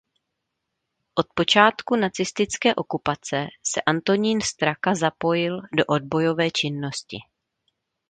Od počátku nacistické okupace se Antonín Straka zapojil do odbojové činnosti.